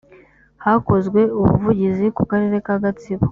hakozwe ubuvugizi ku karere ka gatsibo